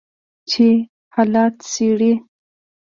چې حالات څیړي